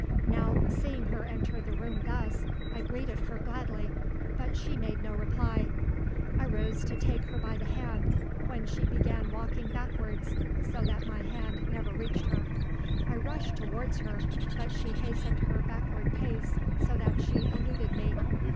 Now, seeing her enter the room thus, I greeted her gladly, but she made no reply. I arose to take her by the hand, when she began walking backwards, so that my hand never reached her. I rushed towards her, but she hastened her backward pace, so that she eluded me.